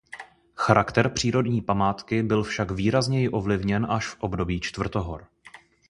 Charakter přírodní památky byl však výrazněji ovlivněn až v období čtvrtohor.